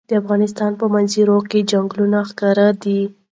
د افغانستان په منظره کې چنګلونه ښکاره ده.